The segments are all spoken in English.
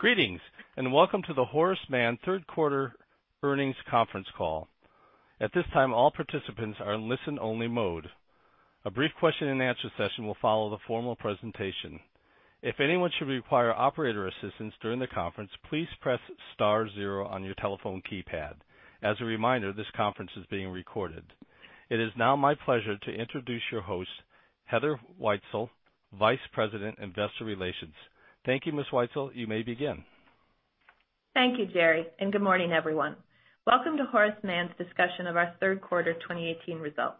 Greetings, and welcome to the Horace Mann third quarter earnings conference call. At this time, all participants are in listen-only mode. A brief question and answer session will follow the formal presentation. If anyone should require operator assistance during the conference, please press star zero on your telephone keypad. As a reminder, this conference is being recorded. It is now my pleasure to introduce your host, Heather Wietzel, Vice President, Investor Relations. Thank you, Ms. Wietzel. You may begin. Thank you, Jerry. Good morning, everyone. Welcome to Horace Mann's discussion of our third quarter 2018 results.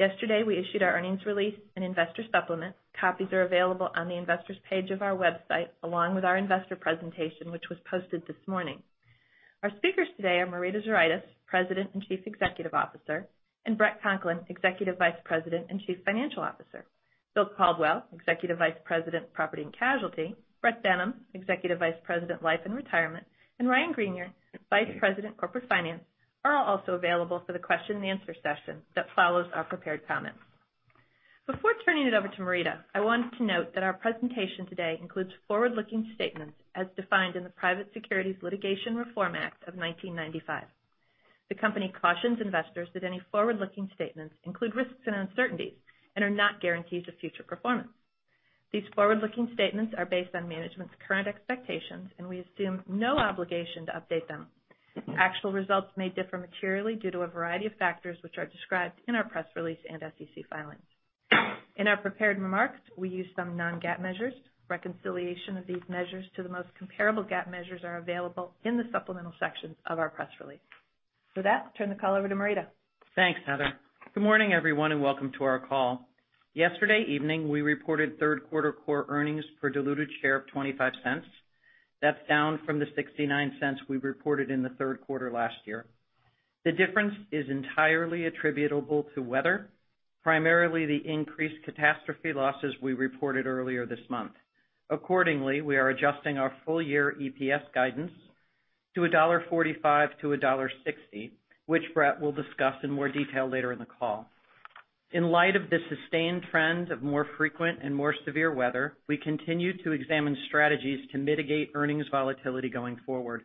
Yesterday, we issued our earnings release and investor supplement. Copies are available on the investors page of our website, along with our investor presentation, which was posted this morning. Our speakers today are Marita Zuraitis, President and Chief Executive Officer, and Bret Conklin, Executive Vice President and Chief Financial Officer. William Caldwell, Executive Vice President, Property and Casualty, Bret Benham, Executive Vice President, Life and Retirement, and Ryan Greenier, Vice President, Corporate Finance, are all also available for the question and answer session that follows our prepared comments. Before turning it over to Marita, I want to note that our presentation today includes forward-looking statements as defined in the Private Securities Litigation Reform Act of 1995. The company cautions investors that any forward-looking statements include risks and uncertainties and are not guarantees of future performance. These forward-looking statements are based on management's current expectations. We assume no obligation to update them. Actual results may differ materially due to a variety of factors, which are described in our press release and SEC filings. In our prepared remarks, we use some non-GAAP measures. Reconciliation of these measures to the most comparable GAAP measures are available in the supplemental sections of our press release. With that, I turn the call over to Marita. Thanks, Heather. Good morning, everyone. Welcome to our call. Yesterday evening, we reported third quarter core earnings per diluted share of $0.25. That's down from the $0.69 we reported in the third quarter last year. The difference is entirely attributable to weather, primarily the increased catastrophe losses we reported earlier this month. Accordingly, we are adjusting our full-year EPS guidance to $1.45-$1.60, which Bret will discuss in more detail later in the call. In light of the sustained trend of more frequent and more severe weather, we continue to examine strategies to mitigate earnings volatility going forward.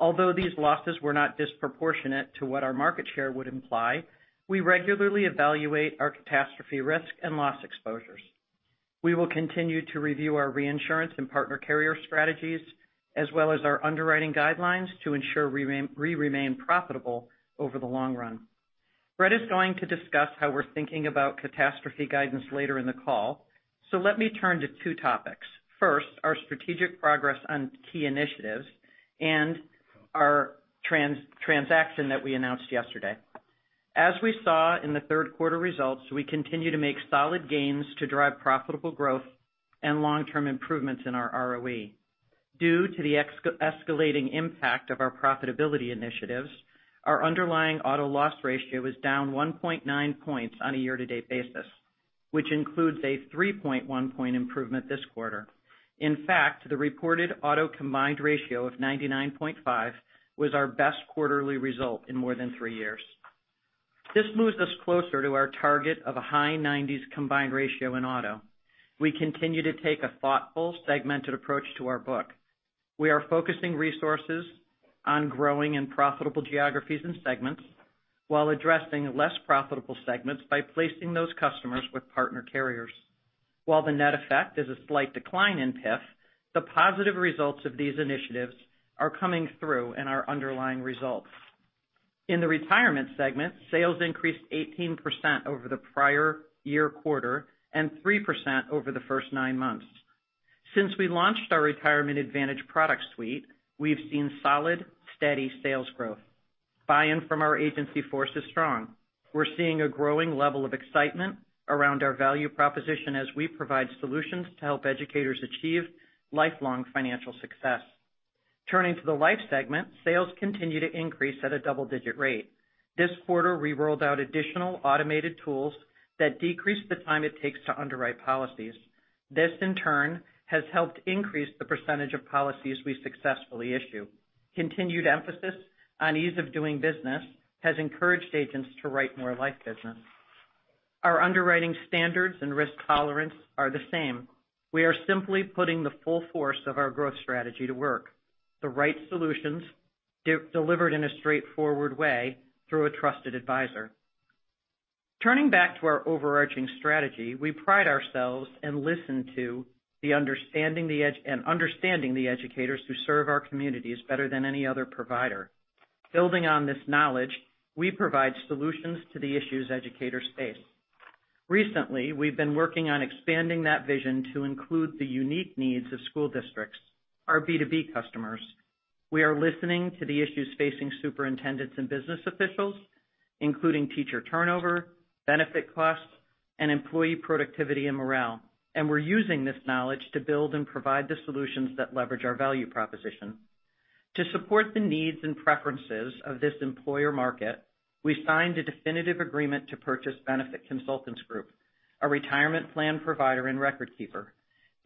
Although these losses were not disproportionate to what our market share would imply, we regularly evaluate our catastrophe risk and loss exposures. We will continue to review our reinsurance and partner carrier strategies, as well as our underwriting guidelines to ensure we remain profitable over the long run. Bret is going to discuss how we're thinking about catastrophe guidance later in the call. Let me turn to two topics. First, our strategic progress on key initiatives and our transaction that we announced yesterday. As we saw in the third quarter results, we continue to make solid gains to drive profitable growth and long-term improvements in our ROE. Due to the escalating impact of our profitability initiatives, our underlying auto loss ratio is down 1.9 points on a year-to-date basis, which includes a 3.1-point improvement this quarter. In fact, the reported auto combined ratio of 99.5 was our best quarterly result in more than three years. This moves us closer to our target of a high 90s combined ratio in auto. We continue to take a thoughtful, segmented approach to our book. We are focusing resources on growing in profitable geographies and segments while addressing less profitable segments by placing those customers with partner carriers. While the net effect is a slight decline in PIF, the positive results of these initiatives are coming through in our underlying results. In the retirement segment, sales increased 18% over the prior year quarter and 3% over the first nine months. Since we launched our Retirement Advantage product suite, we've seen solid, steady sales growth. Buy-in from our agency force is strong. We're seeing a growing level of excitement around our value proposition as we provide solutions to help educators achieve lifelong financial success. Turning to the life segment, sales continue to increase at a double-digit rate. This quarter, we rolled out additional automated tools that decrease the time it takes to underwrite policies. This, in turn, has helped increase the percentage of policies we successfully issue. Continued emphasis on ease of doing business has encouraged agents to write more life business. Our underwriting standards and risk tolerance are the same. We are simply putting the full force of our growth strategy to work. The right solutions delivered in a straightforward way through a trusted advisor. Turning back to our overarching strategy, we pride ourselves and listen to and understanding the educators who serve our communities better than any other provider. Building on this knowledge, we provide solutions to the issues educators face. Recently, we've been working on expanding that vision to include the unique needs of school districts, our B2B customers. We are listening to the issues facing superintendents and business officials, including teacher turnover, benefit costs, and employee productivity and morale, and we're using this knowledge to build and provide the solutions that leverage our value proposition. To support the needs and preferences of this employer market, we signed a definitive agreement to purchase Benefit Consultants Group, a retirement plan provider and record keeper.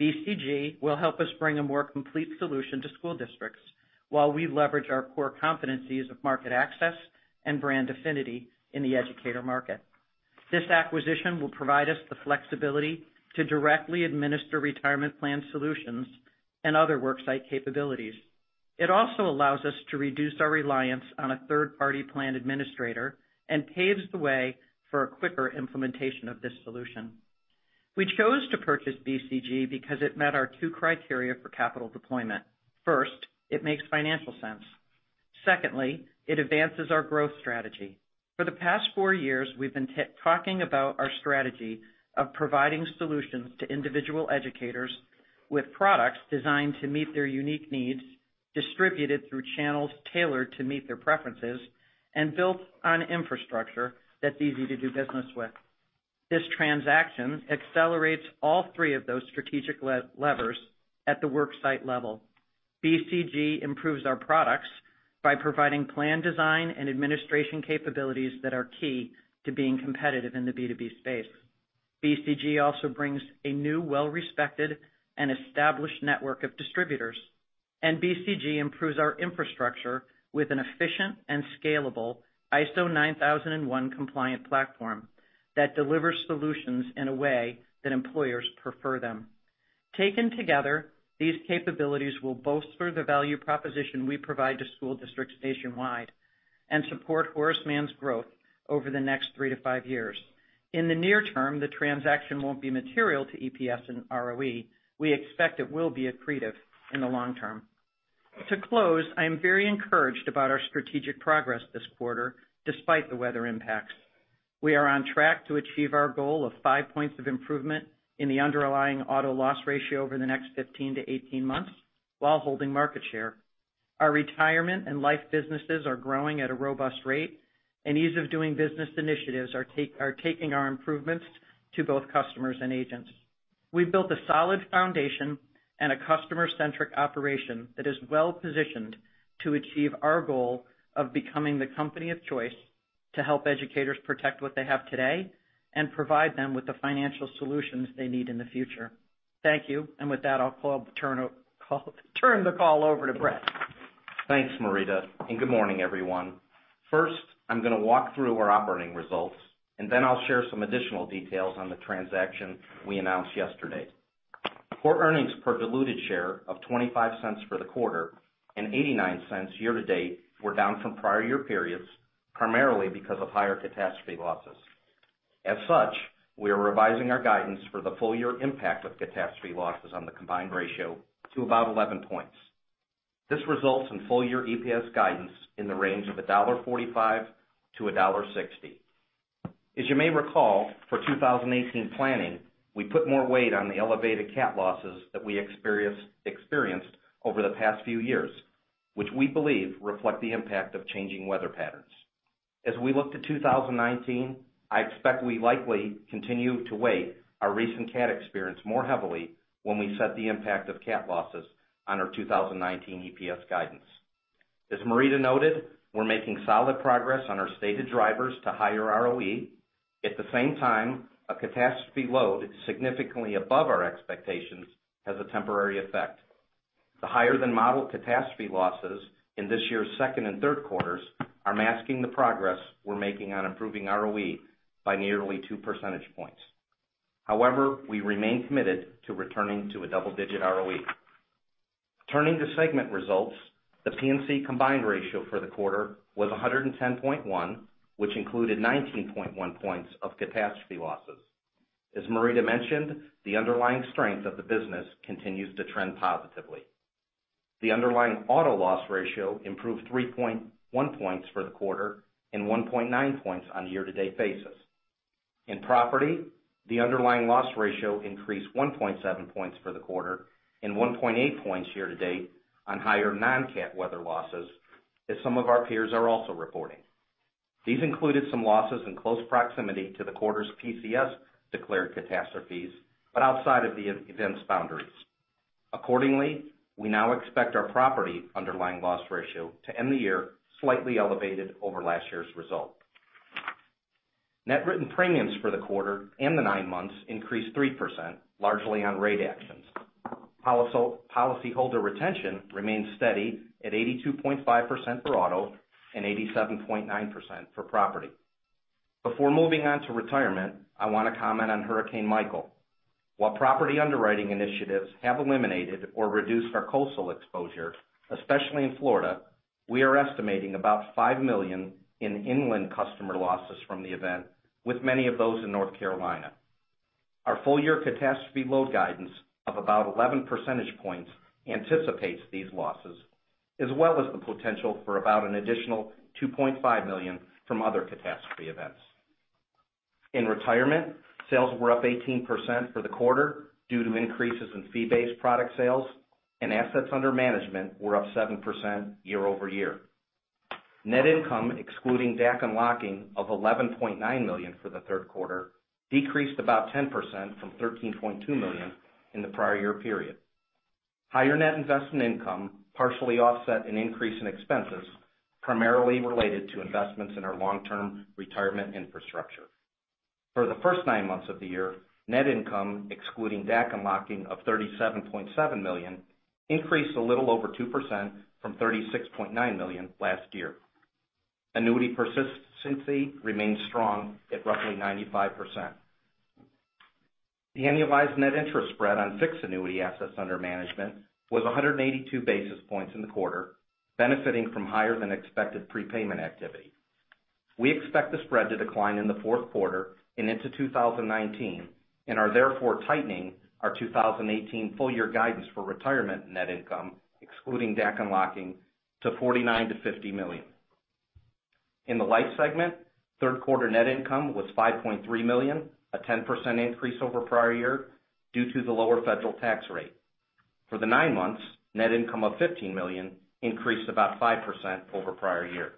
BCG will help us bring a more complete solution to school districts while we leverage our core competencies of market access and brand affinity in the educator market. This acquisition will provide us the flexibility to directly administer retirement plan solutions and other worksite capabilities. It also allows us to reduce our reliance on a third-party plan administrator and paves the way for a quicker implementation of this solution. We chose to purchase BCG because it met our two criteria for capital deployment. First, it makes financial sense. Secondly, it advances our growth strategy. For the past four years, we've been talking about our strategy of providing solutions to individual educators with products designed to meet their unique needs, distributed through channels tailored to meet their preferences, and built on infrastructure that's easy to do business with. This transaction accelerates all three of those strategic levers at the worksite level. BCG improves our products by providing plan design and administration capabilities that are key to being competitive in the B2B space. BCG also brings a new, well-respected, and established network of distributors. BCG improves our infrastructure with an efficient and scalable ISO 9001 compliant platform that delivers solutions in a way that employers prefer them. Taken together, these capabilities will bolster the value proposition we provide to school districts nationwide and support Horace Mann's growth over the next three to five years. In the near term, the transaction won't be material to EPS and ROE. We expect it will be accretive in the long term. To close, I am very encouraged about our strategic progress this quarter, despite the weather impacts. We are on track to achieve our goal of five points of improvement in the underlying auto loss ratio over the next 15 to 18 months while holding market share. Our retirement and life businesses are growing at a robust rate. Ease of doing business initiatives are taking our improvements to both customers and agents. We've built a solid foundation and a customer-centric operation that is well-positioned to achieve our goal of becoming the company of choice to help educators protect what they have today and provide them with the financial solutions they need in the future. Thank you. With that, I'll turn the call over to Bret. Thanks, Marita. Good morning, everyone. First, I'm going to walk through our operating results. Then I'll share some additional details on the transaction we announced yesterday. Core earnings per diluted share of $0.25 for the quarter and $0.89 year to date were down from prior year periods, primarily because of higher catastrophe losses. As such, we are revising our guidance for the full year impact of catastrophe losses on the combined ratio to about 11 points. This results in full year EPS guidance in the range of $1.45-$1.60. As you may recall, for 2018 planning, we put more weight on the elevated cat losses that we experienced over the past few years, which we believe reflect the impact of changing weather patterns. As we look to 2019, I expect we likely continue to weight our recent cat experience more heavily when we set the impact of cat losses on our 2019 EPS guidance. As Marita noted, we're making solid progress on our stated drivers to higher ROE. At the same time, a catastrophe load significantly above our expectations has a temporary effect. The higher than model catastrophe losses in this year's second and third quarters are masking the progress we're making on improving ROE by nearly two percentage points. However, we remain committed to returning to a double-digit ROE. Turning to segment results, the P&C combined ratio for the quarter was 110.1, which included 19.1 points of catastrophe losses. As Marita mentioned, the underlying strength of the business continues to trend positively. The underlying auto loss ratio improved 3.1 points for the quarter and 1.9 points on a year-to-date basis. In property, the underlying loss ratio increased 1.7 points for the quarter and 1.8 points year to date on higher non-cat weather losses, as some of our peers are also reporting. These included some losses in close proximity to the quarter's PCS-declared catastrophes, but outside of the event's boundaries. Accordingly, we now expect our property underlying loss ratio to end the year slightly elevated over last year's result. Net written premiums for the quarter and the nine months increased 3%, largely on rate actions. Policyholder retention remains steady at 82.5% for auto and 87.9% for property. Before moving on to Retirement, I want to comment on Hurricane Michael. While property underwriting initiatives have eliminated or reduced our coastal exposure, especially in Florida, we are estimating about $5 million in inland customer losses from the event, with many of those in North Carolina. Our full-year catastrophe load guidance of about 11 percentage points anticipates these losses, as well as the potential for about an additional $2.5 million from other catastrophe events. In Retirement, sales were up 18% for the quarter due to increases in fee-based product sales, and assets under management were up 7% year-over-year. Net income, excluding DAC unlocking of $11.9 million for the third quarter, decreased about 10% from $13.2 million in the prior year period. Higher net investment income partially offset an increase in expenses, primarily related to investments in our long-term retirement infrastructure. For the first nine months of the year, net income excluding DAC unlocking of $37.7 million increased a little over 2% from $36.9 million last year. Annuity persistency remains strong at roughly 95%. The annualized net interest spread on fixed annuity assets under management was 182 basis points in the quarter, benefiting from higher than expected prepayment activity. We expect the spread to decline in the fourth quarter and into 2019, and are therefore tightening our 2018 full year guidance for retirement net income, excluding DAC unlocking, to $49 million-$50 million. In the life segment, third quarter net income was $5.3 million, a 10% increase over prior year due to the lower federal tax rate. For the nine months, net income of $15 million increased about 5% over prior year.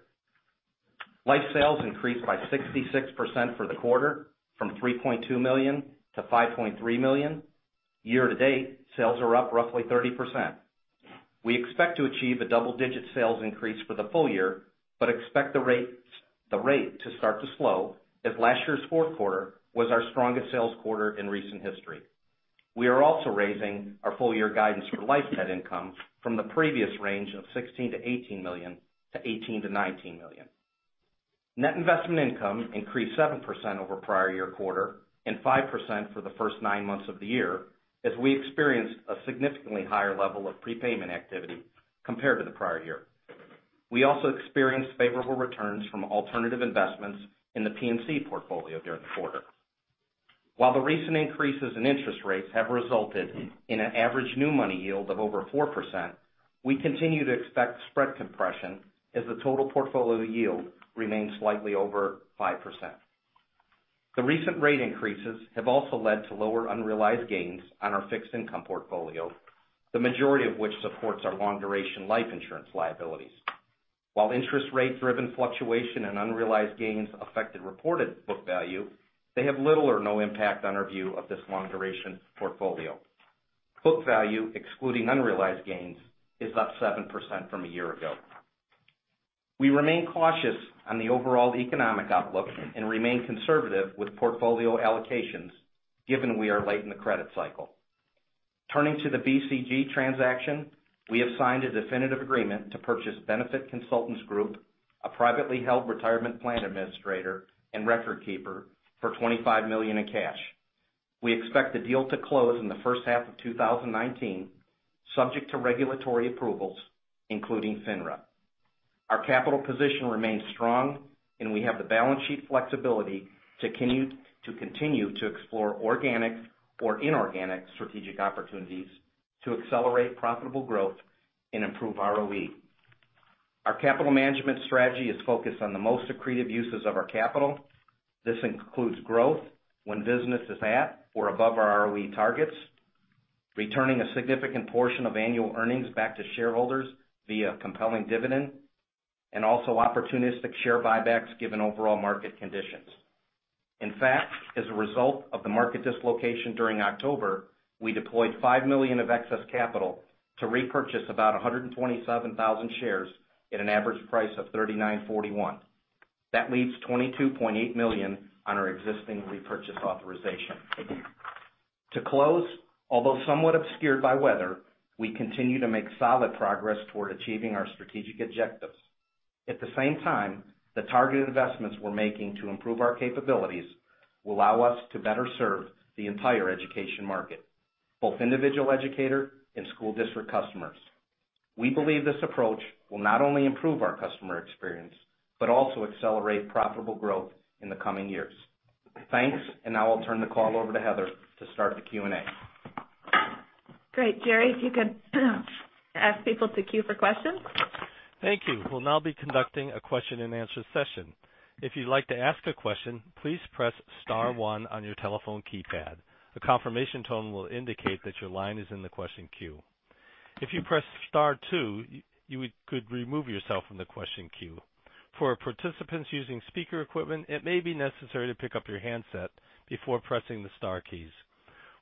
Life sales increased by 66% for the quarter, from $3.2 million to $5.3 million. Year to date, sales are up roughly 30%. We expect to achieve a double-digit sales increase for the full year, but expect the rate to start to slow as last year's fourth quarter was our strongest sales quarter in recent history. We are also raising our full-year guidance for life net income from the previous range of $16 million-$18 million to $18 million-$19 million. Net investment income increased 7% over prior year quarter and 5% for the first nine months of the year, as we experienced a significantly higher level of prepayment activity compared to the prior year. We also experienced favorable returns from alternative investments in the P&C portfolio during the quarter. While the recent increases in interest rates have resulted in an average new money yield of over 4%, we continue to expect spread compression as the total portfolio yield remains slightly over 5%. The recent rate increases have also led to lower unrealized gains on our fixed income portfolio, the majority of which supports our long duration life insurance liabilities. While interest rate-driven fluctuation and unrealized gains affected reported book value, they have little or no impact on our view of this long duration portfolio. Book value, excluding unrealized gains, is up 7% from a year ago. We remain cautious on the overall economic outlook and remain conservative with portfolio allocations, given we are late in the credit cycle. Turning to the BCG transaction, we have signed a definitive agreement to purchase Benefit Consultants Group, a privately held retirement plan administrator and record keeper for $25 million in cash. We expect the deal to close in the first half of 2019, subject to regulatory approvals, including FINRA. Our capital position remains strong and we have the balance sheet flexibility to continue to explore organic or inorganic strategic opportunities to accelerate profitable growth and improve ROE. Our capital management strategy is focused on the most accretive uses of our capital. This includes growth when business is at or above our ROE targets, returning a significant portion of annual earnings back to shareholders via compelling dividend, and also opportunistic share buybacks, given overall market conditions. In fact, as a result of the market dislocation during October, we deployed $5 million of excess capital to repurchase about 127,000 shares at an average price of $39.41. That leaves 22.8 million on our existing repurchase authorization. To close, although somewhat obscured by weather, we continue to make solid progress toward achieving our strategic objectives. At the same time, the targeted investments we're making to improve our capabilities will allow us to better serve the entire education market, both individual educator and school district customers. We believe this approach will not only improve our customer experience, but also accelerate profitable growth in the coming years. Thanks. Now I'll turn the call over to Heather to start the Q&A. Great. Jerry, if you could ask people to queue for questions. Thank you. We'll now be conducting a question and answer session. If you'd like to ask a question, please press star one on your telephone keypad. A confirmation tone will indicate that your line is in the question queue. If you press star two, you could remove yourself from the question queue. For participants using speaker equipment, it may be necessary to pick up your handset before pressing the star keys.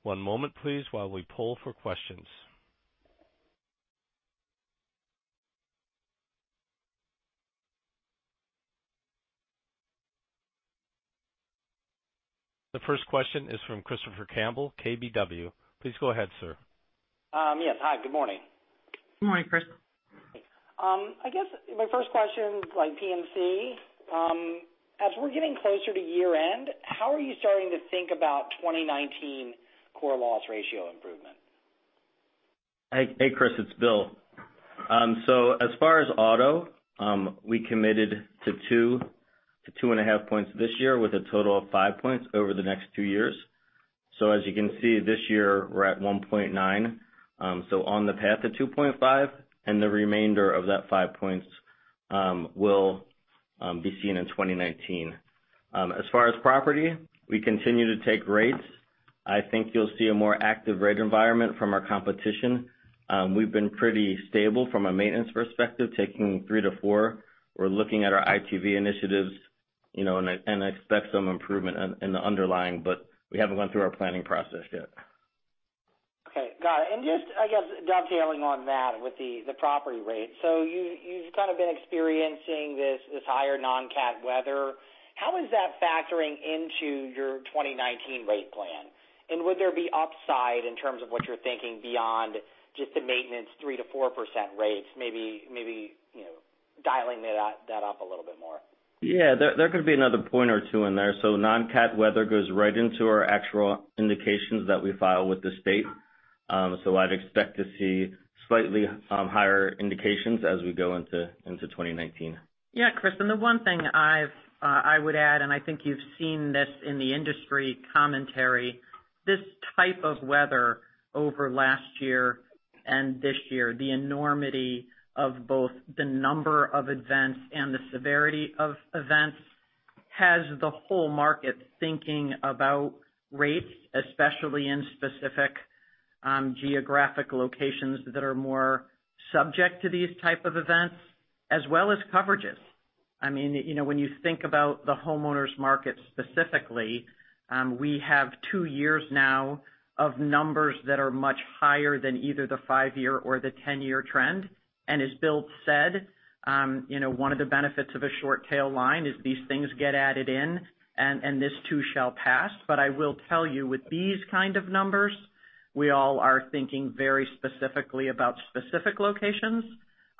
One moment, please, while we poll for questions. The first question is from Christopher Campbell, KBW. Please go ahead, sir. Yes. Hi, good morning. Good morning, Chris. I guess my first question is like P&C. As we're getting closer to year-end, how are you starting to think about 2019 core loss ratio improvement? Hey, Chris, it's Bill. As far as auto, we committed to 2 to 2.5 points this year with a total of five points over the next two years. As you can see this year, we're at 1.9. On the path to 2.5, and the remainder of that five points will be seen in 2019. As far as property, we continue to take rates. I think you'll see a more active rate environment from our competition. We've been pretty stable from a maintenance perspective, taking 3 to 4. We're looking at our ITV initiatives, and I expect some improvement in the underlying, but we haven't gone through our planning process yet. Okay, got it. Just, I guess, dovetailing on that with the property rates. You've kind of been experiencing this higher non-CAT weather. How is that factoring into your 2019 rate plan? Would there be upside in terms of what you're thinking beyond just the maintenance 3% to 4% rates? Maybe dialing that up a little bit more. Yeah. There could be another point or two in there. Non-CAT weather goes right into our actual indications that we file with the state. I'd expect to see slightly higher indications as we go into 2019. Yeah, Chris, the one thing I would add, I think you've seen this in the industry commentary, this type of weather over last year and this year, the enormity of both the number of events and the severity of events, has the whole market thinking about rates, especially in specific geographic locations that are more subject to these type of events, as well as coverages. When you think about the homeowners market specifically, we have two years now of numbers that are much higher than either the five-year or the 10-year trend. As Bill said, one of the benefits of a short tail line is these things get added in, and this too shall pass. I will tell you, with these kind of numbers, we all are thinking very specifically about specific locations,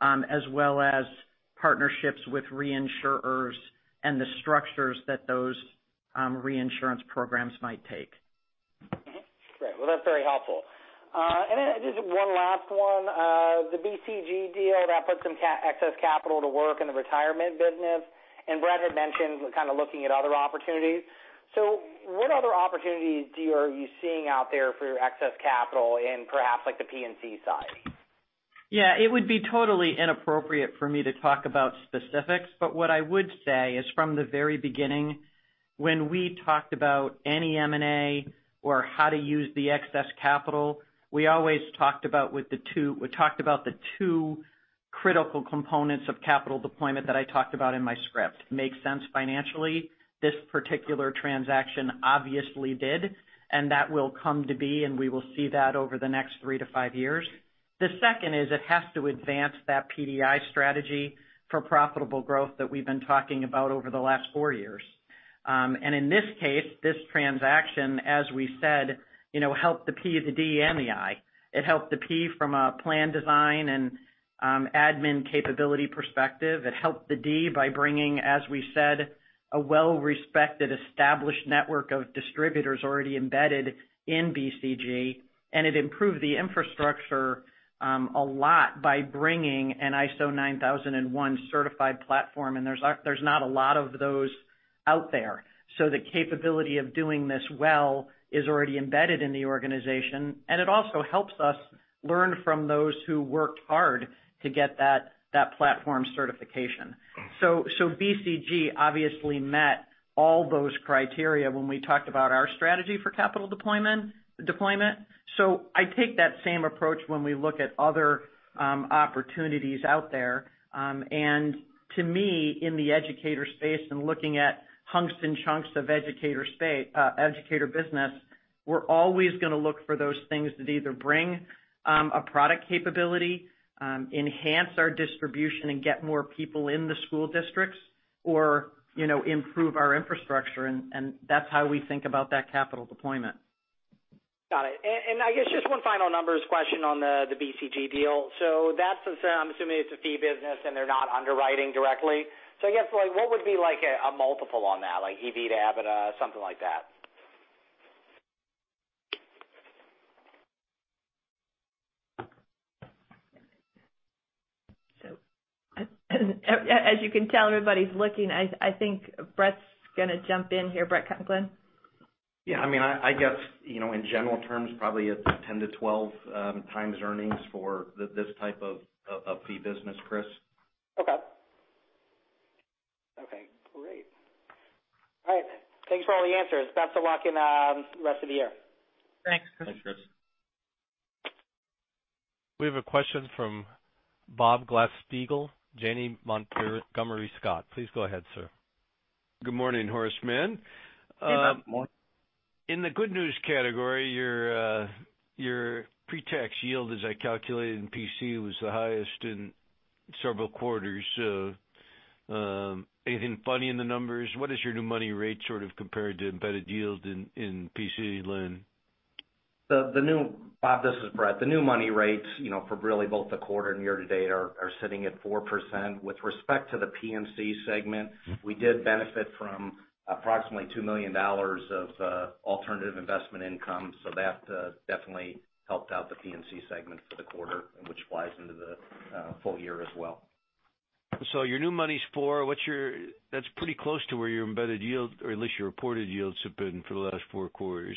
as well as partnerships with reinsurers and the structures that those reinsurance programs might take. Great. Well, that's very helpful. Then just one last one. The BCG deal that put some excess capital to work in the retirement business, Bret had mentioned kind of looking at other opportunities. What other opportunities are you seeing out there for your excess capital in perhaps like the P&C side? Yeah, it would be totally inappropriate for me to talk about specifics, what I would say is from the very beginning, when we talked about any M&A or how to use the excess capital, we always talked about the two critical components of capital deployment that I talked about in my script. Make sense financially. This particular transaction obviously did, and that will come to be, and we will see that over the next three to five years. The second is it has to advance that PDI strategy for profitable growth that we've been talking about over the last four years. In this case, this transaction, as we said, helped the P, the D, and the I. It helped the P from a plan design and admin capability perspective. It helped the D by bringing, as we said, a well-respected, established network of distributors already embedded in BCG, it improved the infrastructure a lot by bringing an ISO 9001 certified platform, there's not a lot of those out there. The capability of doing this well is already embedded in the organization, it also helps us learn from those who worked hard to get that platform certification. BCG obviously met all those criteria when we talked about our strategy for capital deployment. I take that same approach when we look at other opportunities out there. To me, in the educator space and looking at hunks and chunks of educator business, we're always going to look for those things that either bring a product capability, enhance our distribution, get more people in the school districts or improve our infrastructure, and that's how we think about that capital deployment. Got it. I guess just one final numbers question on the BCG deal. That, I'm assuming it's a fee business and they're not underwriting directly. I guess, what would be a multiple on that, like EV to EBITDA, something like that? As you can tell, everybody's looking. I think Bret's going to jump in here. Bret Conklin? I guess, in general terms, probably it's a 10 to 12 times earnings for this type of fee business, Chris. Okay. Okay, great. All right. Thanks for all the answers. Best of luck in the rest of the year. Thanks, Chris. Thanks, Chris. We have a question from Robert Glasspiegel, Janney Montgomery Scott. Please go ahead, sir. Good morning, Horace Mann. Hey, Bob. In the good news category, your pretax yield, as I calculated in P&C, was the highest in several quarters. Anything funny in the numbers? What is your new money rate sort of compared to embedded yield in P&C line Bob, this is Bret. The new money rates for really both the quarter and year to date are sitting at 4%. With respect to the P&C segment, we did benefit from approximately $2 million of alternative investment income. That definitely helped out the P&C segment for the quarter, which flies into the full year as well. Your new money's 4%. That's pretty close to where your embedded yield, or at least your reported yields, have been for the last four quarters.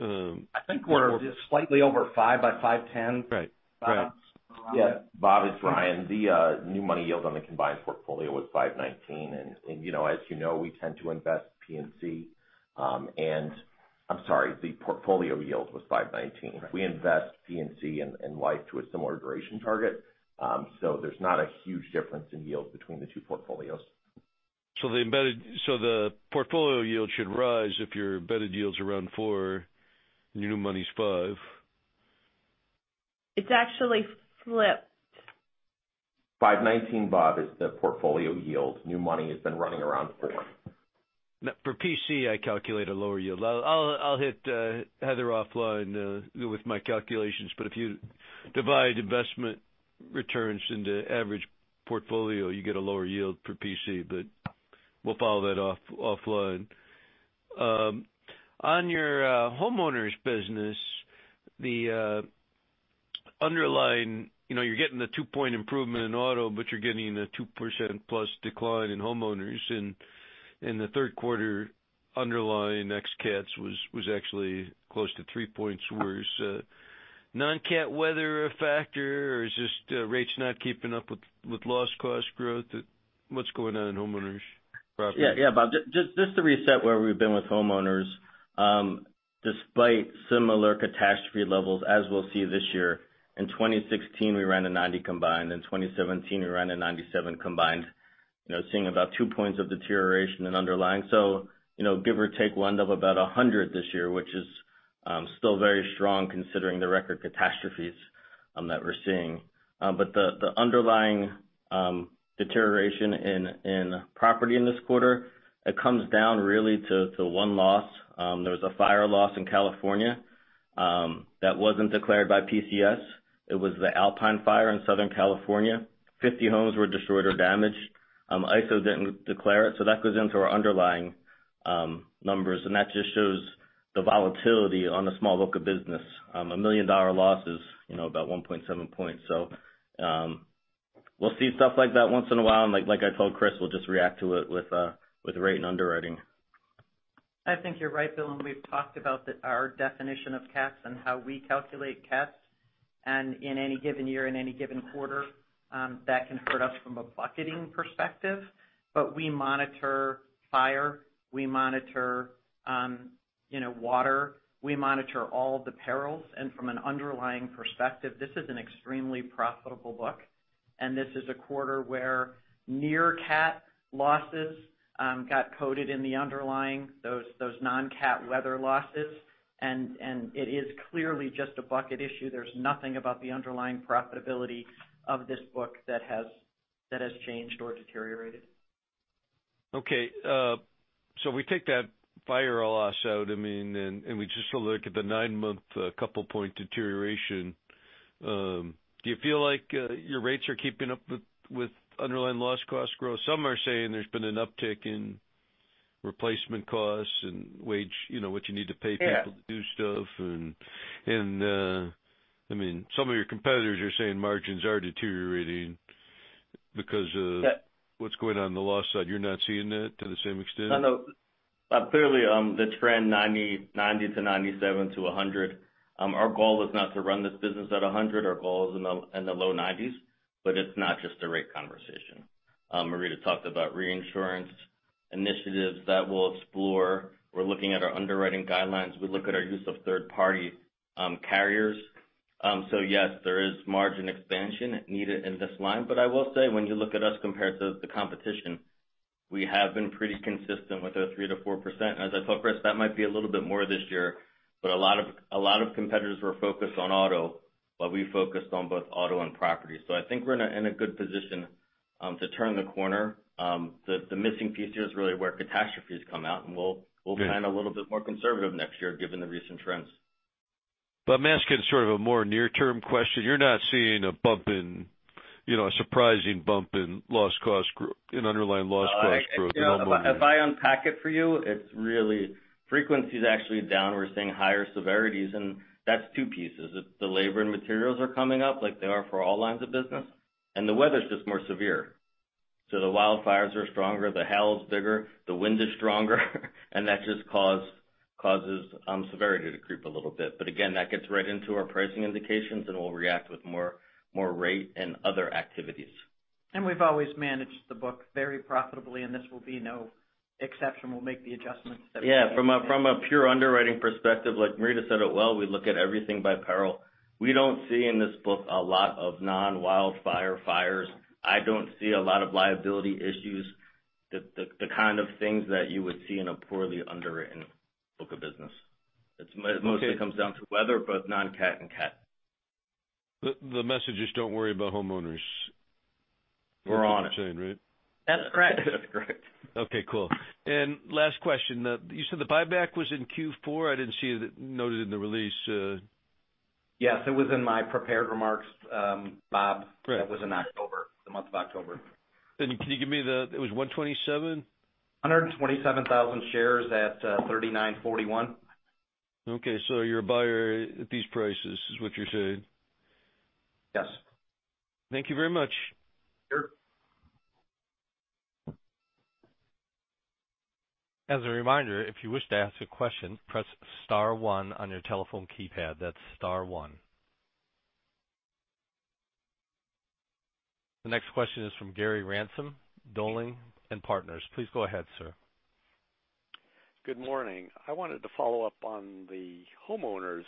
I think we're slightly over 5%, about 5.10%. Right. Yeah. Bob, it's Ryan. The new money yield on the combined portfolio was 5.19%, and as you know, we tend to invest P&C. I'm sorry, the portfolio yield was 5.19%. We invest P&C and life to a similar duration target. There's not a huge difference in yield between the two portfolios. The portfolio yield should rise if your embedded yield's around 4%, new money's 5%. It's actually flipped. 519, Bob, is the portfolio yield. New money has been running around four. For PC, I calculate a lower yield. I'll hit Heather offline with my calculations, if you divide investment returns into average portfolio, you get a lower yield for PC, we'll follow that offline. On your homeowners business, you're getting the two-point improvement in auto, but you're getting a 2% plus decline in homeowners. In the third quarter, underlying ex cats was actually close to three points worse. Non-cat weather a factor, or is this rates not keeping up with loss cost growth? What's going on in homeowners property? Yeah, Bob. Just to reset where we've been with homeowners. Despite similar catastrophe levels as we'll see this year, in 2016, we ran a 90 combined, in 2017, we ran a 97 combined, seeing about two points of deterioration in underlying. Give or take, we'll end up about 100 this year, which is still very strong considering the record catastrophes that we're seeing. The underlying deterioration in property in this quarter, it comes down really to one loss. There was a fire loss in California that wasn't declared by PCS. It was the Alpine Fire in Southern California. 50 homes were destroyed or damaged. ISO didn't declare it, so that goes into our underlying numbers, and that just shows the volatility on the small book of business. A million-dollar loss is about 1.7 points. We'll see stuff like that once in a while, and like I told Chris, we'll just react to it with rate and underwriting. I think you're right, Bill, we've talked about our definition of cats and how we calculate cats. In any given year, in any given quarter, that can hurt us from a bucketing perspective. We monitor fire, we monitor water, we monitor all of the perils. From an underlying perspective, this is an extremely profitable book, and this is a quarter where near cat losses got coded in the underlying, those non-cat weather losses. It is clearly just a bucket issue. There's nothing about the underlying profitability of this book that has changed or deteriorated. We take that fire loss out, and we just look at the 9-month couple point deterioration. Do you feel like your rates are keeping up with underlying loss cost growth? Some are saying there's been an uptick in replacement costs and wage, what you need to pay people. Yeah to do stuff. Some of your competitors are saying margins are deteriorating because of what's going on in the loss side. You're not seeing that to the same extent? No. Clearly, the trend, 90 to 97 to 100, our goal is not to run this business at 100. Our goal is in the low 90s. It's not just a rate conversation. Marita talked about reinsurance initiatives that we'll explore. We're looking at our underwriting guidelines. We look at our use of third-party carriers. Yes, there is margin expansion needed in this line. I will say, when you look at us compared to the competition, we have been pretty consistent with our 3%-4%. As I told Chris, that might be a little bit more this year, but a lot of competitors were focused on auto, while we focused on both auto and property. I think we're in a good position to turn the corner. The missing piece here is really where catastrophes come out, and we'll plan a little bit more conservative next year given the recent trends. I'm asking sort of a more near-term question. You're not seeing a surprising bump in underlying loss cost growth in homeowners? If I unpack it for you, frequency's actually down. We're seeing higher severities, and that's two pieces. The labor and materials are coming up like they are for all lines of business, and the weather's just more severe. The wildfires are stronger, the hail's bigger, the wind is stronger, and that just causes severity to creep a little bit. Again, that gets right into our pricing indications, and we'll react with more rate and other activities. We've always managed the book very profitably, and this will be no exception. We'll make the adjustments that we need to make. From a pure underwriting perspective, like Marita said it well, we look at everything by peril. We don't see in this book a lot of non-wildfire fires. I don't see a lot of liability issues, the kind of things that you would see in a poorly underwritten book of business. Okay. It mostly comes down to weather, both non-cat and cat. The message is, don't worry about homeowners. We're on it you're saying, right? That's correct. That's correct. Okay, cool. Last question. You said the buyback was in Q4. I didn't see it noted in the release. Yes, it was in my prepared remarks, Bob. Great. That was in October, the month of October. Can you give me the, it was 127? 127,000 shares at $39.41. Okay, you're a buyer at these prices is what you're saying? Yes. Thank you very much. Sure. As a reminder, if you wish to ask a question, press star one on your telephone keypad. That's star one. The next question is from Gary Ransom, Dowling & Partners. Please go ahead, sir. Good morning. I wanted to follow up on the homeowners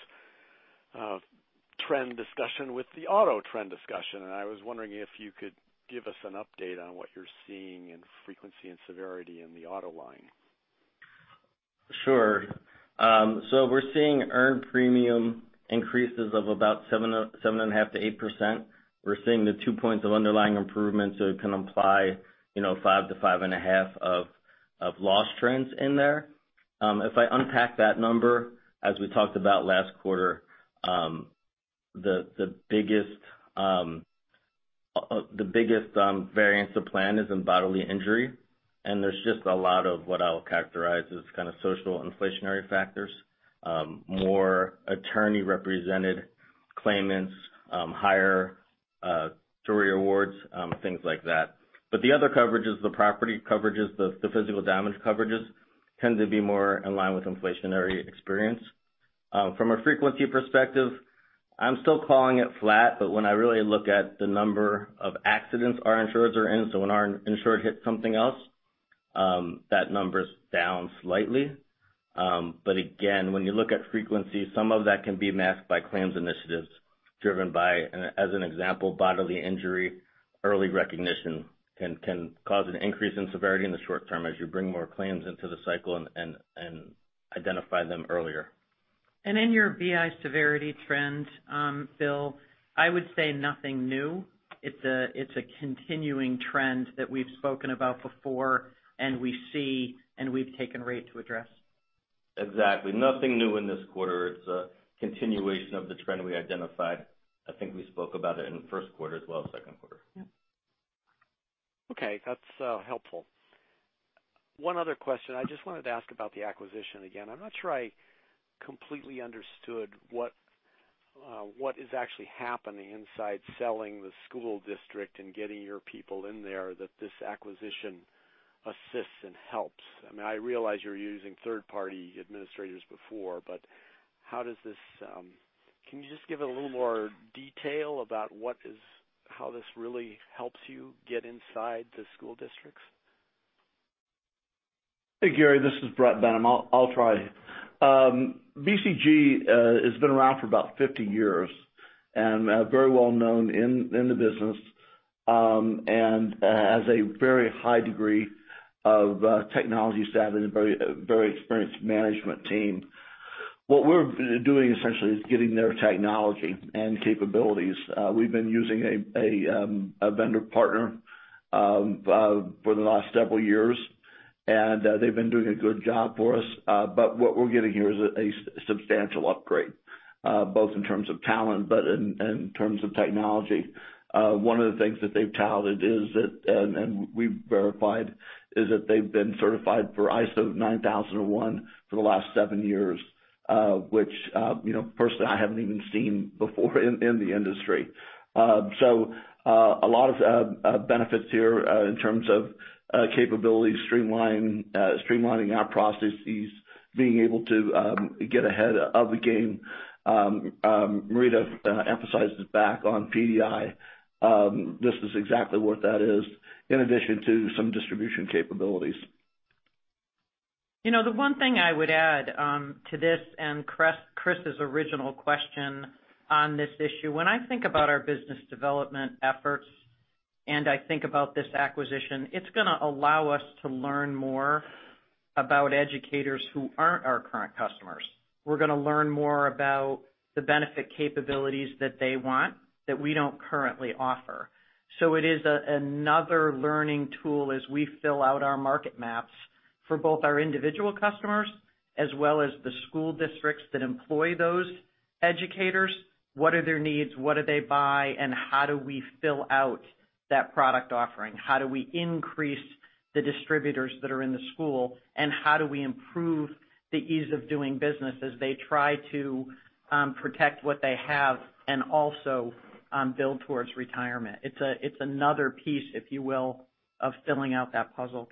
trend discussion with the auto trend discussion. I was wondering if you could give us an update on what you're seeing in frequency and severity in the auto line. Sure. We're seeing earned premium increases of about 7.5%-8%. We're seeing the two points of underlying improvement, so it can imply, five to five and a half of loss trends in there. If I unpack that number, as we talked about last quarter, the biggest variance of plan is in bodily injury. There's just a lot of what I'll characterize as kind of social inflationary factors. More attorney-represented claimants, higher jury awards, things like that. The other coverages, the property coverages, the physical damage coverages, tend to be more in line with inflationary experience. From a frequency perspective, I'm still calling it flat. When I really look at the number of accidents our insureds are in, so when our insured hits something else, that number's down slightly. Again, when you look at frequency, some of that can be masked by claims initiatives driven by, as an example, bodily injury. Early recognition can cause an increase in severity in the short term as you bring more claims into the cycle and identify them earlier. In your BI severity trend, Bill, I would say nothing new. It's a continuing trend that we've spoken about before and we see. We've taken rate to address. Exactly. Nothing new in this quarter. It's a continuation of the trend we identified. I think we spoke about it in the first quarter as well as second quarter. Yep. Okay, that's helpful. One other question. I just wanted to ask about the acquisition again. I'm not sure I completely understood what is actually happening inside selling the school district and getting your people in there that this acquisition assists and helps. I realize you were using third-party administrators before, but can you just give a little more detail about how this really helps you get inside the school districts? Hey, Gary, this is Bret Benham. I'll try. BCG has been around for about 50 years and very well known in the business, and has a very high degree of technology staff and a very experienced management team. What we're doing essentially is getting their technology and capabilities. We've been using a vendor partner for the last several years, and they've been doing a good job for us. What we're getting here is a substantial upgrade, both in terms of talent, but in terms of technology. One of the things that they've touted, and we've verified, is that they've been certified for ISO 9001 for the last seven years, which personally, I haven't even seen before in the industry. A lot of benefits here in terms of capability, streamlining our processes, being able to get ahead of the game. Marita emphasized this back on PDI. This is exactly what that is, in addition to some distribution capabilities. The one thing I would add to this, Chris' original question on this issue, when I think about our business development efforts and I think about this acquisition, it's going to allow us to learn more about educators who aren't our current customers. We're going to learn more about the benefit capabilities that they want that we don't currently offer. It is another learning tool as we fill out our market maps for both our individual customers as well as the school districts that employ those educators. What are their needs? What do they buy, and how do we fill out that product offering? How do we increase the distributors that are in the school, and how do we improve the ease of doing business as they try to protect what they have and also build towards retirement? It's another piece, if you will, of filling out that puzzle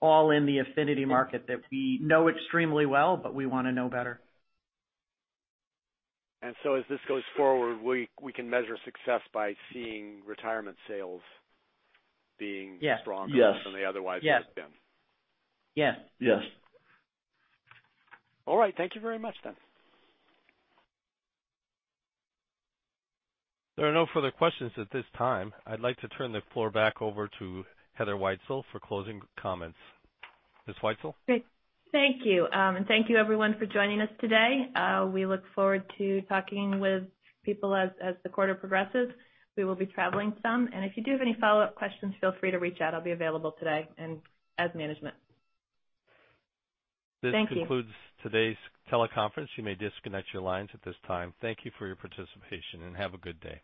all in the affinity market that we know extremely well, but we want to know better. As this goes forward, we can measure success by seeing retirement sales being stronger- Yes. Yes. -than they otherwise would have been. Yes. Yes. All right. Thank you very much, then. There are no further questions at this time. I'd like to turn the floor back over to Heather Wietzel for closing comments. Ms. Wietzel? Great. Thank you. Thank you everyone for joining us today. We look forward to talking with people as the quarter progresses. We will be traveling some. If you do have any follow-up questions, feel free to reach out. I'll be available today, and as management. Thank you. This concludes today's teleconference. You may disconnect your lines at this time. Thank you for your participation, and have a good day.